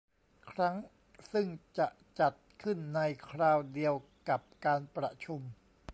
ครั้งซึ่งจะจัดขึ้นในคราวเดียวกับการประชุม